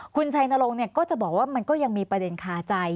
คุณชัยนรงค์ก็จะบอกว่ามันก็ยังมีประเด็นคาใจ